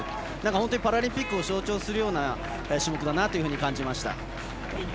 本当にパラリンピックを象徴するような種目だなと感じました。